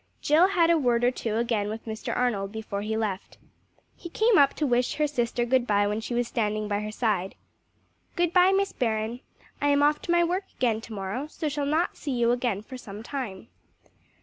Jill had a word or two again with Mr. Arnold before he left. He came up to wish her sister good bye when she was standing by her side. "Good bye, Miss Baron. I am off to my work again to morrow, so shall not see you again for some time."